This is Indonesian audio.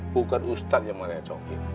bukan ustad yang ngerecokin